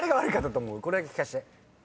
これだけ聞かせて。